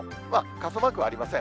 傘マークはありません。